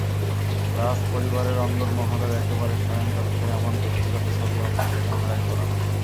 রাজপরিবারের অন্দরমহলের একেবারে শয়নকক্ষের এমন ব্যক্তিগত ছবি অবশ্য ক্যামেরায় তোলা নয়।